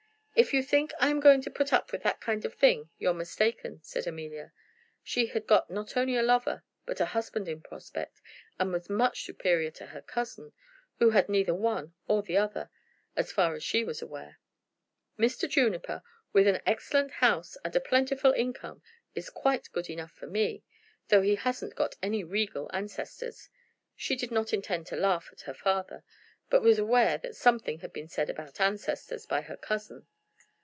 "If you think I'm going to put up with that kind of thing, you're mistaken," said Amelia. She had got not only a lover but a husband in prospect, and was much superior to her cousin, who had neither one or the other, as far as she was aware. "Mr. Juniper, with an excellent house and a plentiful income, is quite good enough for me, though he hasn't got any regal ancestors." She did not intend to laugh at her father, but was aware that something had been said about ancestors by her cousin.